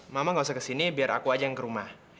mama gak usah kesini biar aku aja yang ke rumah